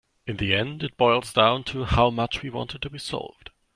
In the end it boils down to how much we want it to be solved.